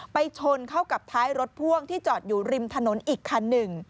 ไปชนเข้ากับท้ายรถพ่วงที่จอดอยู่ริมถนนอีกคันหนึ่ง